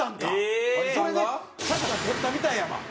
それで加地君が撮ったみたいやわ。